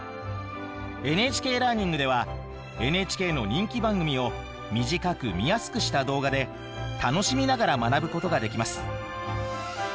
ＮＨＫラーニングではＮＨＫの人気番組を短く見やすくした動画で楽しみながら学ぶことができます。